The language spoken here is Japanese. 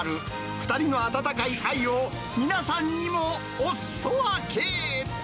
２人の温かい愛を皆さんにもおすそ分け。